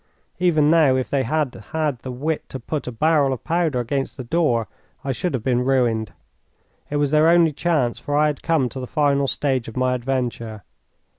Even now if they had had the wit to put a barrel of powder against the door I should have been ruined. It was their only chance, for I had come to the final stage of my adventure.